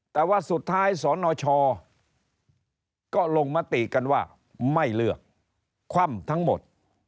แต่ว่าสุดท้ายสนชก็ลงมติกันว่าไม่เลือกคว่ำทั้งหมด